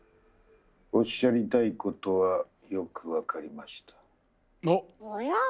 おっしゃりたいことはよく分かりました。